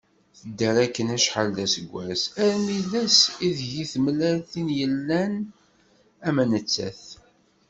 Tedder akken acḥal d aseggas armi d ass i deg-i d-temlal tin yellan am nettat.